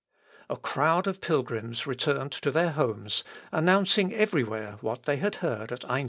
A crowd of pilgrims returned to their homes, announcing every where what they had heard at Einsidlen.